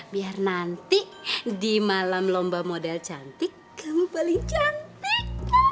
biar nanti di malam lomba model cantik yang paling cantik